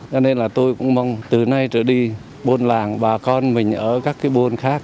cho nên là tôi cũng mong từ nay trở đi buôn làng bà con mình ở các cái bôn khác